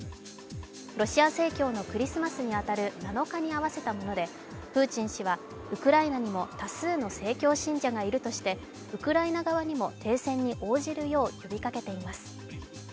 ロシア正教のクリスマスに当たる７日に合わせたものでプーチン氏はウクライナにも多数の正教信者がいるとしてウクライナ側にも停戦に応じるよう呼びかけています。